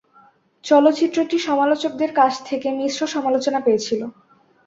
চলচ্চিত্রটি সমালোচকদের কাছ থেকে মিশ্র সমালোচনা পেয়েছিল।